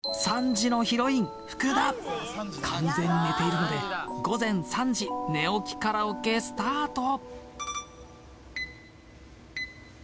３時のヒロイン・福田完全に寝ているので午前３時寝起きカラオケスタート